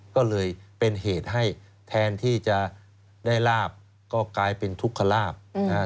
ก็เลยเป็นเหตุให้แทนที่จะได้ลาบก็กลายเป็นทุกขลาบนะครับ